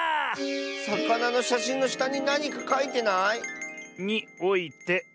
さかなのしゃしんのしたになにかかいてない？